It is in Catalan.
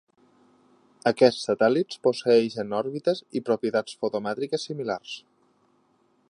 Aquests satèl·lits posseeixen òrbites i propietats fotomètriques similars.